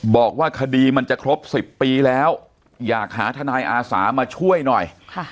บอกว่าคดีมันจะครบ๑๐ปีแล้วอยากหาทนายอาสามาช่วยหน่อย